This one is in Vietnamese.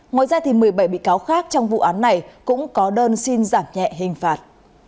ngoài ra một mươi bảy bị cáo khác trong vụ án này cũng có đơn xin giảm nhẹ hình phạt